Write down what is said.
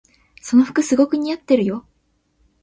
その服すごく似合ってるよ。